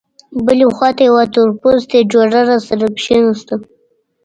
بلې خوا ته یوه تورپوستې جوړه راسره کېناسته.